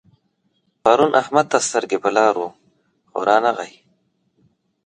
پرون احمد ته سترګې پر لار وم خو نه راغی.